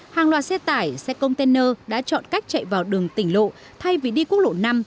hàng loạt xe tải xe container đã chọn cách chạy vào đường tỉnh lộ thay vì đi quốc lộ năm